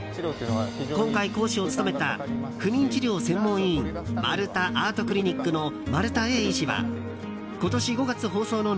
今回、講師を務めた不妊治療専門医院まるたＡＲＴクリニックの丸田英医師は今年５月放送のＮＯＮＳＴＯＰ！